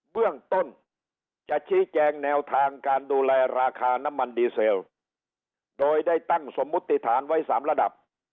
เบื้องต้นจะชี้แจงแนวทางการดูแลราคาน้ำมันดีเซลโดยได้ตั้งสมมุติฐานไว้๓ระดับ